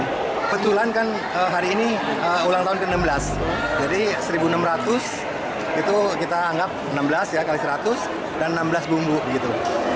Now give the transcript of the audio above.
kebetulan kan hari ini ulang tahun ke enam belas jadi rp satu enam ratus itu kita anggap enam belas ya x seratus dan enam belas bumbu begitu